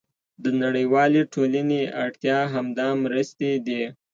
د نړیوالې ټولنې اړتیا همدا مرستې دي.